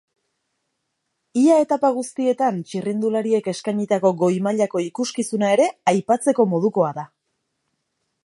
Ia etapa guztietan txirrindulariek eskainitako goi-mailako ikuskizuna ere aipatzeko modukoa da.